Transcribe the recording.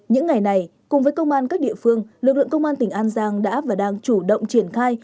những ngày này cùng với công an các địa phương lực lượng công an tỉnh an giang đã và đang chủ động triển khai